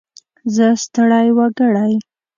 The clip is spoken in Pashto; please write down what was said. زه ستړی وګړی.